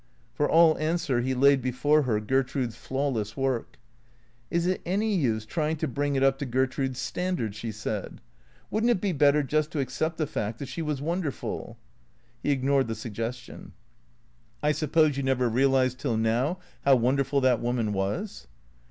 For all answer he laid before her Gertrude's flawless work. " Is it any use trying to bring it up to Gertrude's standard? " she said. " Would n't it be better just to accept the fact that she was wonderful ?" (He ignored the suggestion.) " I suppose you never realized till now how wonderful that woman was